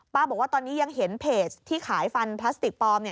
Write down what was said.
บอกว่าตอนนี้ยังเห็นเพจที่ขายฟันพลาสติกปลอม